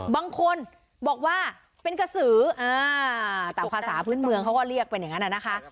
บางคนบอกว่าเป็นกระสือแต่ภาษาพื้นเมืองเขาก็เรียกเป็นอย่างนั้นนะคะ